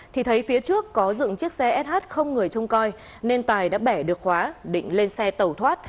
thì thấy phía trước có dựng chiếc xe sh không người trông coi nên tài đã bẻ được khóa định lên xe tẩu thoát